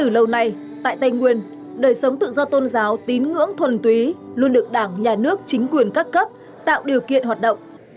lâu nay tại tây nguyên đời sống tự do tôn giáo tín ngưỡng thuần túy luôn được đảng nhà nước chính quyền các cấp tạo điều kiện hoạt động